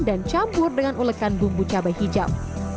dan campur dengan ulekan bumbu cabai hijau